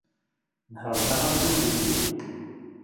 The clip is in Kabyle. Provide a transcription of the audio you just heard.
Nehren-aɣ amzun d ulli.